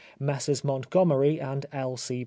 Messrs Montgomery and L. C.